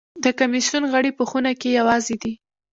د کمېسیون غړي په خونه کې یوازې دي.